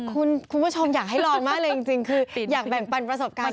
คุณผู้ชมอยากให้ลองมากเลยจริงคืออยากแบ่งปันประสบการณ์